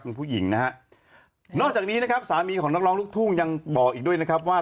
คุณผู้หญิงนะฮะนอกจากนี้นะครับสามีของนักร้องลูกทุ่งยังบอกอีกด้วยนะครับว่า